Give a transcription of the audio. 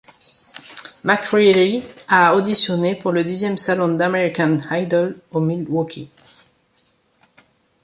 McCreery a auditionné pour le dixième saison d'American Idol au Milwaukee.